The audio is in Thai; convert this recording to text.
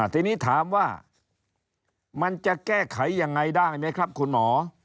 ทีนี้ถามว่ามันจะแก้ไขยังไงได้ไหมครับคุณหมอ